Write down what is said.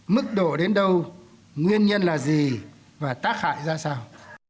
mức độ đến đâu nguyên nhân là gì và tác hại ra sao